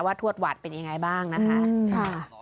ทวดหวัดเป็นยังไงบ้างนะคะ